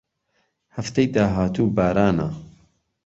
هەفتەی داهاتوو بارانە.